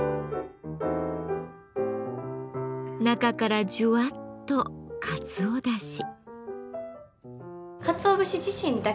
中からジュワッとかつおだし。